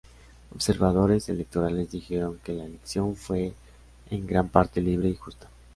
Observadores electorales dijeron que la elección fue en gran parte libre y justa.